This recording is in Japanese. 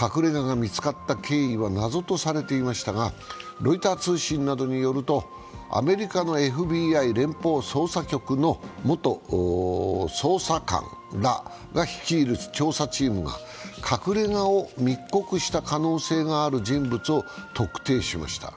隠れ家が見つかった経緯は謎とされていましたが、ロイター通信などによると、アメリカのＦＢＩ＝連邦捜査局の元捜査官らが率いる調査チームが隠れ家を密告した可能性がある人物を特定しました。